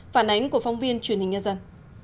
phản ánh của phóng viên truyền hình nhân dân